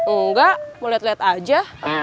enggak mau liat liat aja